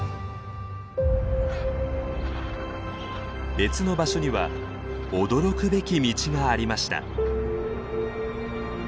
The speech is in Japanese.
別の場所には驚くべき道がありました。